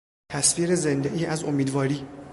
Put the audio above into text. تصویر زندهای از امیدواری